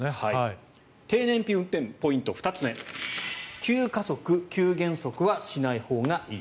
低燃費運転ポイント２つ目急加速、急減速はしないほうがいい。